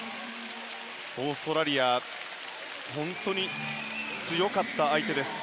オーストラリアは本当に強かった相手です。